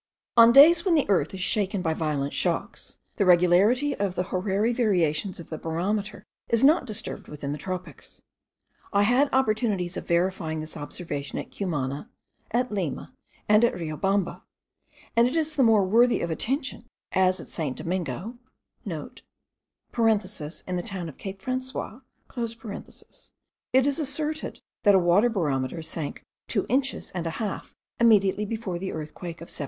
On days when the earth is shaken by violent shocks, the regularity of the horary variations of the barometer is not disturbed within the tropics. I had opportunities of verifying this observation at Cumana, at Lima, and at Riobamba; and it is the more worthy of attention, as at St. Domingo, (in the town of Cape Francois,) it is asserted, that a water barometer sank two inches and a half immediately before the earthquake of 1770.